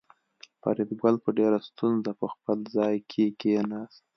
فریدګل په ډېره ستونزه په خپل ځای کې کېناست